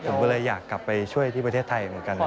ผมก็เลยอยากกลับไปช่วยที่ประเทศไทยเหมือนกัน